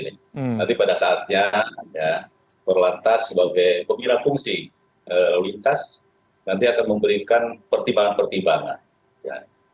nanti pada saatnya berlantas sebagai pemilang fungsi lalu lintas nanti akan memberikan pertimbangan pertimbangan